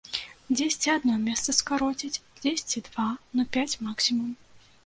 Дзесьці адно месца скароцяць, дзесьці два, ну пяць максімум.